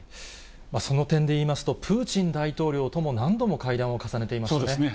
その点でいいますと、プーチン大統領とも何度も会談を重ねていましたね。